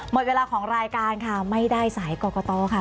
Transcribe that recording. หมดเวลาของรายการค่ะไม่ได้สายกรกตค่ะ